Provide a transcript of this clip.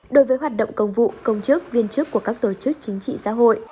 đối với hoạt động công vụ công chức viên chức của các tổ chức chính trị xã hội